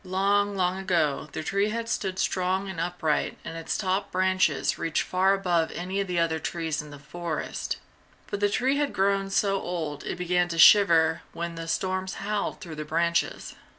Long, long ago, the tree had stood strong and upright and its top branches reached far above any of the other trees in the forest, but the tree had grown so old it began to shiver when the storms howled through the branches.